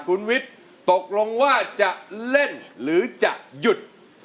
คุณวิทย์ตกลงว่าจะเล่นหรือจะหยุด